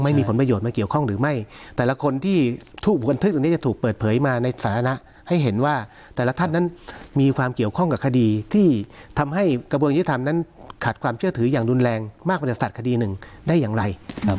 ไม่มีผลประโยชน์มาเกี่ยวข้องหรือไม่